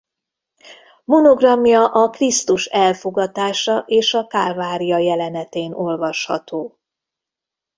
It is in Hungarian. Monogramja a Krisztus elfogatása és a Kálvária jelenetén olvasható.